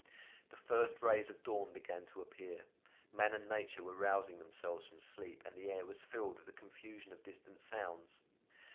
The first rays of dawn began to appear: man and nature were rousing themselves from sleep and the air was filled with the confusion of distant sounds.